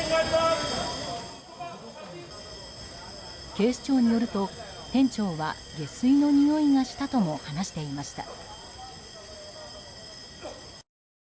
警視庁によると店長は下水のにおいがしたとも話していました。